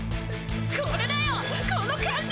これだよこの感じ！